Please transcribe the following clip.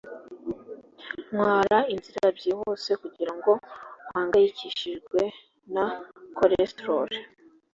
Ntwara inzira byihuse kugirango mpangayikishijwe na cholesterol.